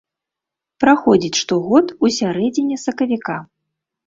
Праходзіць штогод у сярэдзіне сакавіка.